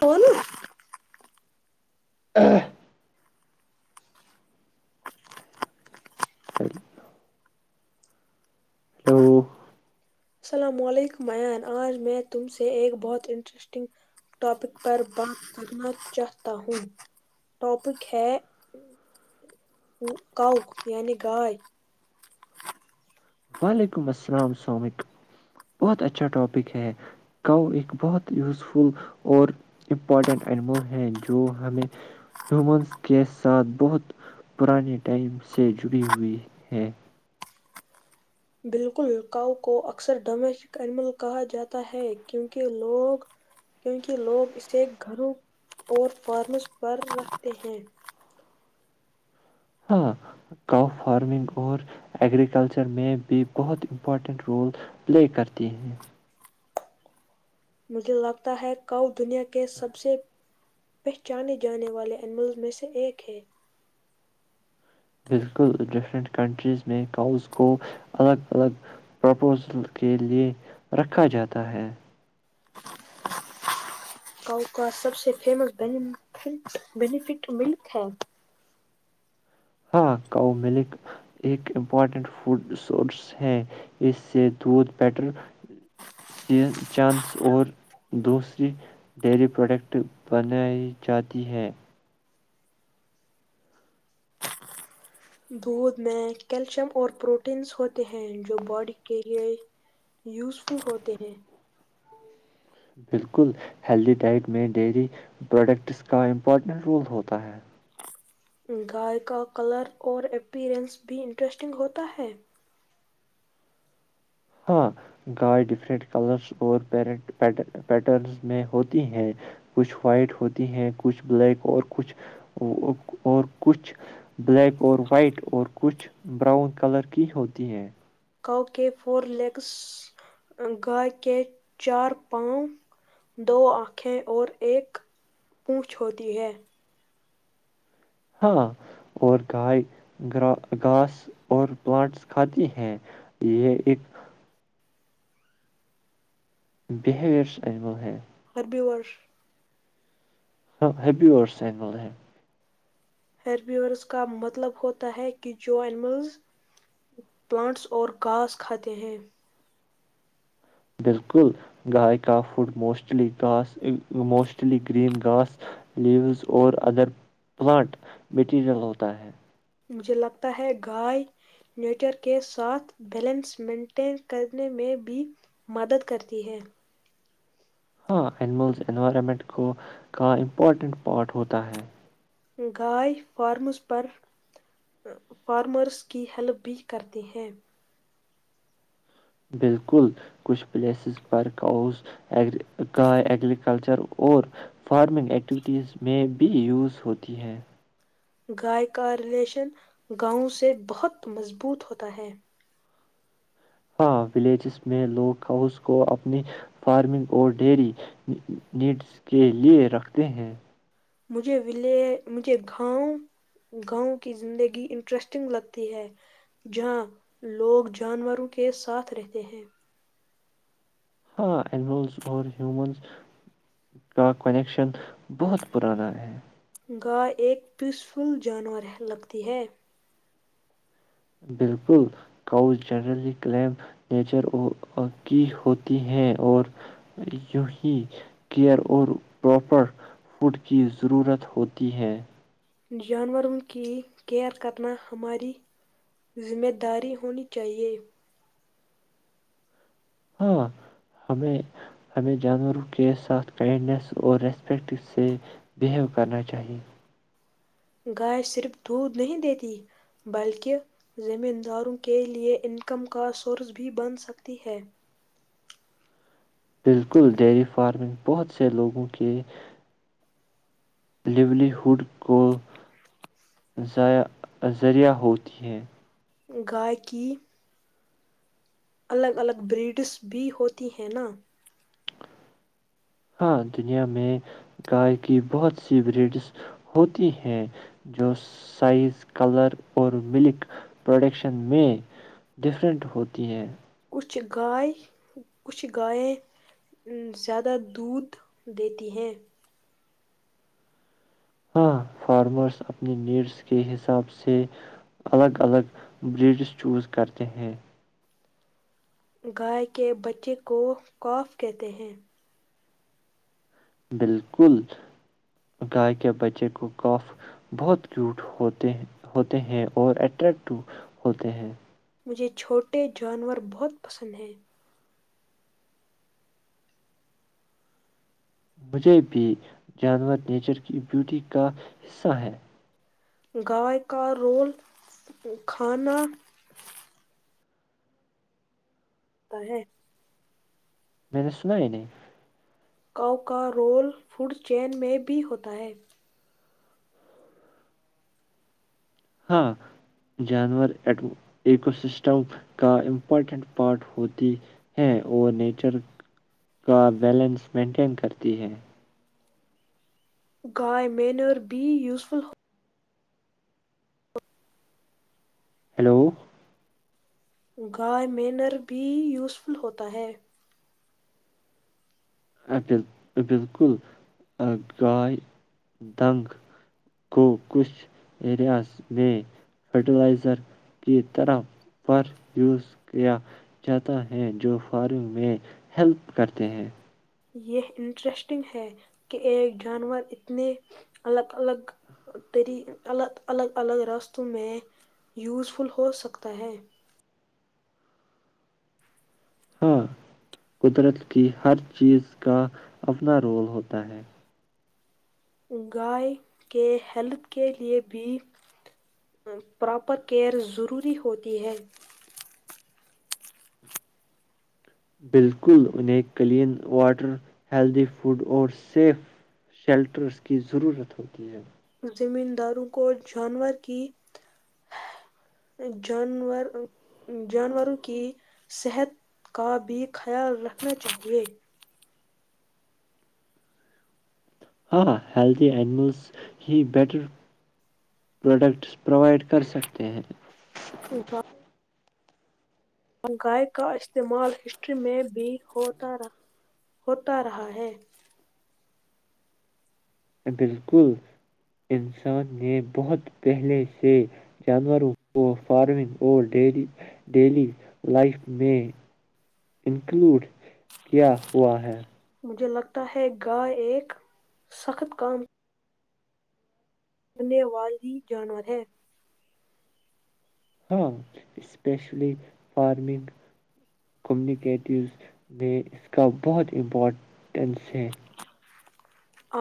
کون ہ [unintelligible] ہلو السلام علیکم ایان آج میں تم سے ایک بہت انٹرسٹنگ ٹاپک پر بات کرنا چاہتا ہوں ٹاپک ہےؤ یعنی گائے وعلیکم السلام سامک بہت اچھا ٹاپک ہے گاؤ ایک بہت یوزفل اور امپورٹنٹ اینیمل ہے جو ہمیں ہیومنس کے ساتھ بہت پرانے ٹائم سے جڑی ہوئی ہے بالکل کااؤ کو اکثر ڈومیسٹک ایمل کہا جاتا ہے کیونکہ لوگ کیونکہ لوگ اسے گھروں اور فارمس پر رکھتے ہیں ہاں کاؤ فارمنگ اور ایگررییکلچر میں بھی بہت امپورٹنٹ رول پلے کرتی ہیں مجھے لگتا ہے کاؤ دنیا کے سب سے پہچانے جانے والے اینیملز میں سے ایک ہے بالکل ڈفرنٹ کنٹریز میں کاؤز کو الگ الگ پرپوزل کے لے رکھا جاتا ہے کاؤ کا سب سے فیمس بینیفٹ ملک ہے ہاں کاؤ ملک ایک امپورٹنٹ فوڈ سورس ہے اس سے دودھ بیٹر چانس اور دوسری ڈیری پروڈکٹ بنائی جاتی ہے دودھ میں کیلشیم اور پروٹینس ہوتے ہیں جو باڈی کے لیے یوزفل ہوتے ہیں بالکل ہیلدی ڈائٹ میں ڈیری پروڈکٹس کا امپورٹنٹ رول ہوتا ہے گائے کا کلر اور اپییرنس بھی انٹرسٹنگ ہوتا ہے ہاں گائے ڈفرینٹ کلرس اور پیرنٹ پٹ پیٹرنس میں ہوتی ہیں کچھ وائٹ ہوتی ہیں کچھ بلیک اور کچھ اور کچھ بلیک اور وائٹ اور کچھ براؤن کلر کی ہوتی ہیں کاؤ کے فور لیگس گائے کے چار پاؤں دو آنکھیں اور ایک پونچھ ہوتی ہے ہاں اور گائے گرا گھاس اور پلانٹس کھاتی ہیں یہ ایک بہیویرس اینمل ہے ہربیورور ہاں ہیپی سگل ہے ہربیورس کا مطلب ہوتا ہے کہ جو اینیملز پلانٹس اور گھاس کھاتے ہیں بالکل گائے کا food mostly grass mostly green grass leaves اور ادر پلانٹ میٹیریل ہوتا ہے مجھے لگتا ہے گائے نیچر کے ساتھ بیلنس مینٹین کرنے میں بھی مدد کرتی ہے ہاں اینیملز انوائرمنٹ کو کا امپورٹنٹ پارٹ ہوتا ہے گائے فارمز پر فارمرس کی ہیلپ بھی کرتی ہیں بالکل کچھ پلیسز پر کا اس گائے اگریکلچر اور فارمنگ ایٹوٹییز میں بھی یوز ہوتی ہے گائے کا ریلیشن گاؤں سے بہت مضبوط ہوتا ہے ہاں ولیجز میں لوگ کاوس کو اپنی فارمنگ اور ڈیری نیڈز کے لے رکھتے ہیں مجھے ول مجھے گاؤں گاؤں کی زندگی انٹرسٹنگ لگتی ہے جہاں لوگ جانوروں کے ساتھ رہتے ہیں ہاں اینیملز اور ہیومنس کا کنیکشن بہت پرانا ہے گائے ایک پیسفل جانور لگتی ہے بالکل کاؤز جنرلی کلیم نیچر کی ہوتی ہے اور یوںی کیئر اور پراپر فوڈ کی ضرورت ہوتی ہے جانوروں کی کیئر کرنا ہماری ذمہ داری ہونی چاہیے ہاں ہمیں ہمیں جانوروں کے ساتھ کائنڈنیس اور ریسپیکٹ سے بیہیو کرنا چاہیے گائے صرف دودھ نہیں دیتی بلکہ زمین داروں کے لیے انکم کا سورس بھی بن سکتی ہے بالکل ڈیری فارمنگ بہت سے لوگوں کے لیولی ہوڈ کو ائع ذریعہ ہوتی ہے گائی الگ الگ بریڈس بھی ہوتی ہیں نا ہاں دنیا میں گائے کی بہت سی بریڈس ہوتی ہیں جو سائز کلر اور ملک پروڈکشن میں ڈفرینٹ ہوتی ہیں کچھ گائے کچھ گائیں زیادہ دودھ دیتی ہیں ہاں فارمرز اپنی نیڈس کے حساب سے الگ الگ بریڈس چوز کرتے ہیں گائے کے بچے کو خوف کہتے ہیں بالکل گائے کے بچے کو کوف بہت کیوٹ ہوتے ہیں ہوتے ہیں اور اٹریکٹو ہوتے ہیں مجھے چھوٹے جانور بہت پسند ہیں مجھے بھی جانور نیچر کی بیوٹی کا حصہ ہے گائے کا رول کھانا ہوتا ہے م نے سنا نہیں کاؤ کا رول فوڈ چین میں بھی ہوتا ہے ہاں جانور ایکوسسٹم کا امپورٹنٹ پارٹ ہوتی ہے اور نیچر کا بیلنس مینٹین کرتی ہے گائے مینر بی یوزفل ہلو گائے مینر بھی یوزفل ہوتا ہے ل بالکل گائے دنگ کو کچھ ایریاز میں فرٹیلائزر کی طرح پر یوز کیا جاتا ہے جو فارمنگ میں ہیلپ کرتے ہیں یہ انٹرسٹنگ ہے کہ ایک جانور اتنے الگ الگ راستوں میں یوزفل ہو سکتا ہے ہاں قدرت کی ہر چیز کا اپنا رول ہوتا ہے گائے کے ہیلتھ کے لیئے بھی پراپر کیئر ضروری ہوتی ہے بالکل انہیں کلین واٹر ہیلدی فوڈ اور سیف شیلٹرس کی ضرورت ہوتی ہے زمینداروں کو جانور کی جانوروں کی صحت کا بھی خیال رکھنا چاہیے ہاں ہیلدی اینیملس ہی بیٹر پروڈکٹس پرووائڈ کر سکتے ہیں [unintelligible] مہنگائی کا استعمال ہسٹری میں بھی ہوتا رہا ہے بالکل انسان نے بہت پہلے سے جانوروں کو فارمنگ اور ڈی ڈیلی لائف میں انکلوڈ کیا ہوا ہے تااہاہ گائے ایک ایک سخت کا بنےوی جانور ہے ہاں اسپیشلی فارمنگ کمیونیکیٹیوز میں اس کا بہت امپورٹینس ہے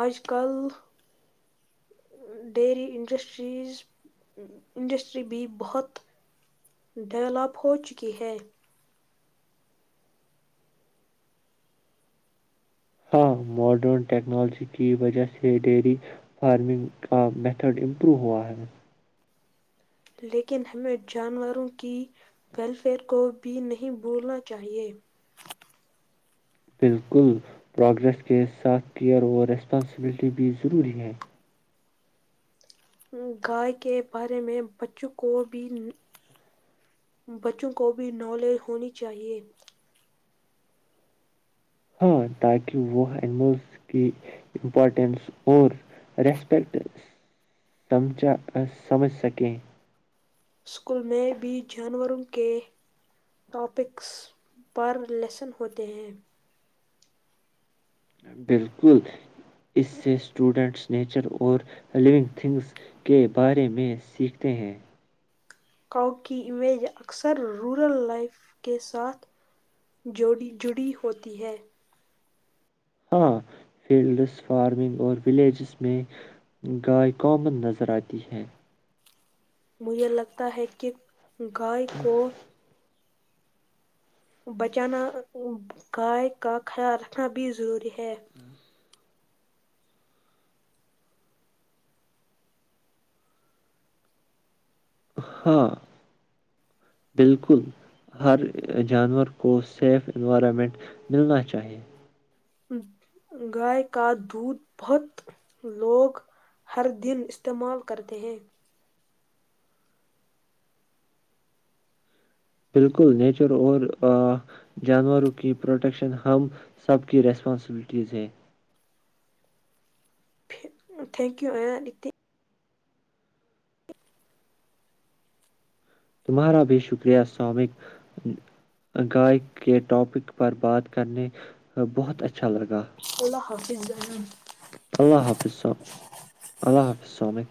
آج کل ڈیری انڈسٹریز انڈسٹری بھی بہت ڈولپ ہو چکی ہے ہاں ماڈرن ٹیکنالوجی کی وجہ سے ڈیری فارمنگ کا میتھڈ امپرو ہوا ہے لیکن ہمیں جانوروں کی ویلفیئر کو بھی نہیں بھولنا چاہیے بالکل پروگریس کے ساتھ کیئر اور ریسپانسبلٹی بھی ضروری ہے گائے کے بارے میں بچوں کو بھی نالج ہونی چاہے ہاں تاکہ وہ اینیملس کی امپورٹینس اور ریسپیکیکٹ تم چا سمجھ سکیں اسکول میں بھی جانوروں کے ٹاپکس پر لیسن ہوتے ہیں بالکل اس سے اسٹوڈنٹس نیچر اور لوننگ تھنگس [unintelligible] کے بارے میں سیکھتے ہیں [unintelligible] کاؤ کی امیج اکثر رورل لائف کے ساتھ جوی جڑی ہوتی ہے ہاں فیلڈس فارمنگ اور ولیجز میں گائے کامن نظر آتی ہے مجھے لگتا ہے کہ گائے کوو بچانا گائے کا خیال رکھنا بھی ضروری ہے چھ [unintelligible] ہاں بالکل ہر جانور کو سیف انوائرمنٹ ملنا چاہیے گائے کا دودھ بہت لوگ ہر دن استعمال کرتے ہیں بالکل نیچر اور جانوروں کی پروٹکشن ہم سب کی ریسپانسبلٹیز ہیں تھینک یو آتی [unintelligible] تمہارا بھی شکریہ سامک گائےک کے ٹاپک پر بات کرنے بہت اچھا لگا اللہ حافظ جانن اللہ حافظ سو اللہ حافظ سوامک